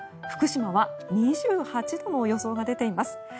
福島は２８度の予想が出ています。